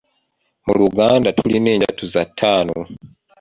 Mu Luganda tulina enjatuza ttaano.